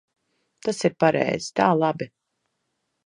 Tas ir pareizi. Tā labi.